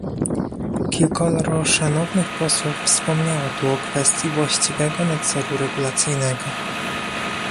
Kilkoro szanownych posłów wspomniało tu o kwestii właściwego nadzoru regulacyjnego